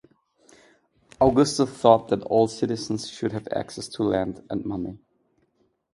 Augustus thought that all citizens should have access to land and money.